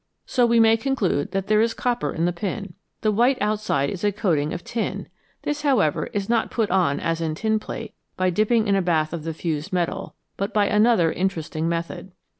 So we may conclude that there is copper in the pin. The white outside is a coating of tin ; this, how ever, is not put on, as in tinplate, by dipping in a bath of the fused metal, but by another interesting method.